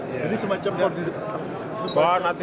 jadi semacam koordinator